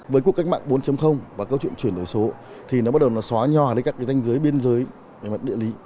với cuộc cách mạng bốn và câu chuyện chuyển đổi số thì nó bắt đầu xóa nhòa đến các doanh giới biên giới địa lý